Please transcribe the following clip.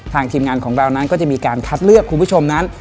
ทีมงานของเรานั้นก็จะมีการคัดเลือกคุณผู้ชมนั้น